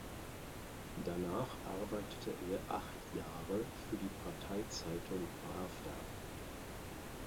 Danach arbeitet er acht Jahre für die Parteizeitung "Prawda".